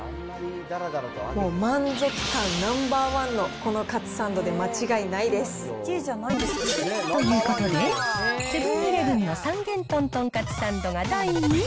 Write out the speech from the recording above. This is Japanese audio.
もう満足感ナンバー１のこのカツサンドで間違いないです。ということで、セブンーイレブンの三元豚とんかつサンドが第２位。